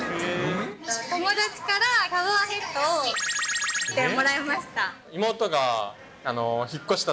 友達からシャワーヘッドを×××してもらいました。